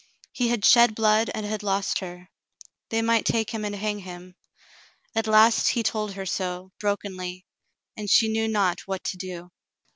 He had shed blood and had lost her. They might take him and hang him. At last he told her so, brokenly, and she knew not what to do.